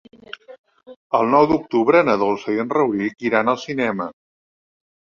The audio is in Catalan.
El nou d'octubre na Dolça i en Rauric iran al cinema.